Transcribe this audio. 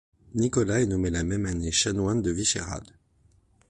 Nicolas est nommé la même année chanoine de Vyšehrad.